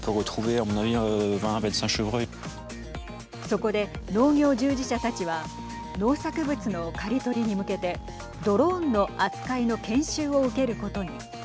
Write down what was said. そこで、農業従事者たちは農作物の刈り取りに向けてドローンの扱いの研修を受けることに。